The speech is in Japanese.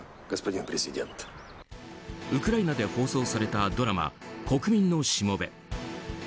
ウクライナで放送されたドラマ「国民のしもべ」。